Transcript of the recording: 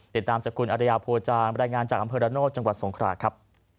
ติดตามจากคุณอริยาโพจางรายงานจากอำเภอระโนธจังหวัดสงคราครับ